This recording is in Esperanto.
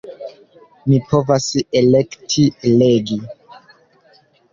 Ni povas elekti legi.